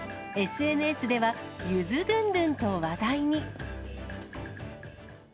ＳＮＳでは、ゆづドゥンドゥンと話題に。